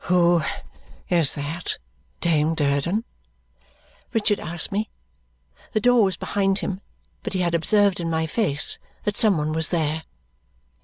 "Who is that, Dame Durden?" Richard asked me. The door was behind him, but he had observed in my face that some one was there.